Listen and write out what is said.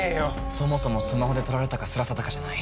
そもそもスマホで撮られたかすら定かじゃない。